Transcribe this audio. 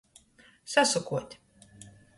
Sasukuot.